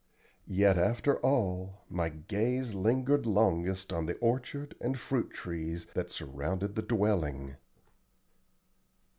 Yet after all my gaze lingered longest on the orchard and fruit trees that surrounded the dwelling.